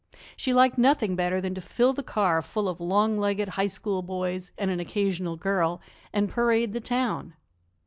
She liked nothing better than to fill the car full of long legged High School boys and an occasional girl, and parade the town.